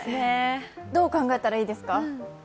どう考えたらいいですか？